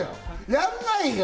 やんないよ。